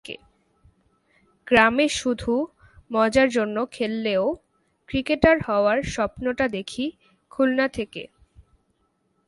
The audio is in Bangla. গ্রামে শুধু মজার জন্য খেললেও ক্রিকেটার হওয়ার স্বপ্নটা দেখি খুলনা থেকে।